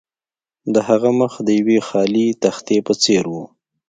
د هغه مخ د یوې خالي تختې په څیر و